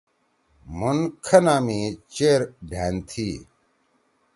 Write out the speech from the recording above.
مُھن کھنا می چیر ڈھأن تھی۔